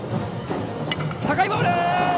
高いボール！